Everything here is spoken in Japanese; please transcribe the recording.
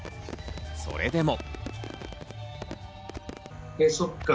それでも。